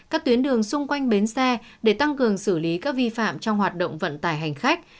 các tuyến đường xung quanh bến xe để tăng cường xử lý các vi phạm trong hoạt động vận tải hành khách